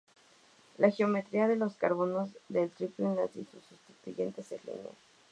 La geometría de los carbonos del triple enlace y sus sustituyentes es lineal.